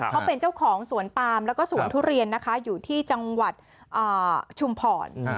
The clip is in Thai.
เขาเป็นเจ้าของสวนปามแล้วก็สวนทุเรียนนะคะอยู่ที่จังหวัดชุมพร